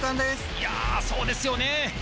いやあそうですよね